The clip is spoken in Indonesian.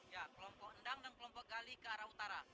ya kelompok endang dan kelompok gali ke arah utara